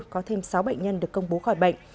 có thêm sáu bệnh nhân được công bố khỏi bệnh